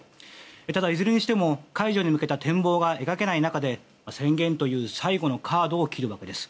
ただ、いずれにしても解除に向けた展望は描けない中で宣言という最後のカードを切るわけです。